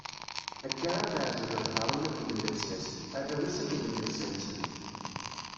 Akka ara tɛezleḍ Haṛun akked llebsa-s, arraw-is akked llebsa-nsen.